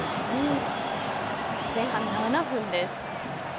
前半７分です。